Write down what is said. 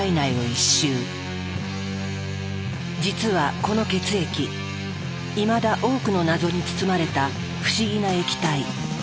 実はこの血液いまだ多くの謎に包まれた不思議な液体。